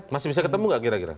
masih bisa ketemu gak kira kira